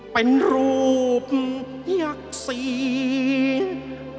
เป็นรูปยักษีอภัพย์